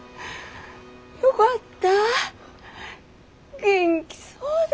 よがった元気そうで。